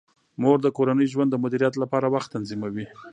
مور د کورني ژوند د مدیریت لپاره وخت تنظیموي.